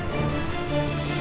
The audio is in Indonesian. jangan pak landung